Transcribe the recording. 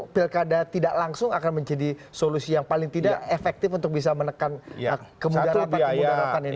pilkada tidak langsung akan menjadi solusi yang paling tidak efektif untuk bisa menekan kemudaratan kemudaratan ini